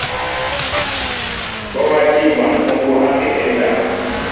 Bɔ watí mɓaŋ mpoŋgo akɛkέ ndáw.